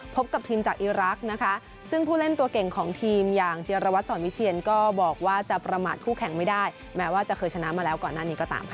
พบกับทีมจากอีรักษ์นะคะซึ่งผู้เล่นตัวเก่งของทีมอย่างเจียรวัตรสอนวิเชียนก็บอกว่าจะประมาทคู่แข่งไม่ได้แม้ว่าจะเคยชนะมาแล้วก่อนหน้านี้ก็ตามค่ะ